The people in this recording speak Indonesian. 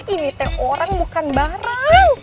ini teh orang bukan barang